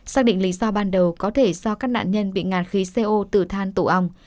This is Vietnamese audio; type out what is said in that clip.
xác định lý do ban đầu có thể do các nạn nhân bị ngạt khí co tử than tụ ống